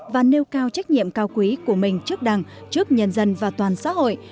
và nêu cao trách nhiệm cao quý của mình trước đảng trước nhân dân và toàn xã hội